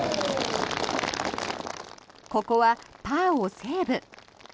ここは、パーをセーブ。